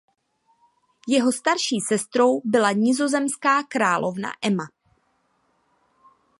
Jeho starší sestrou byla nizozemská královna Emma.